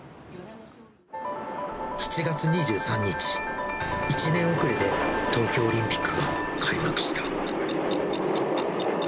７月２３日、１年遅れで東京オリンピックが開幕した。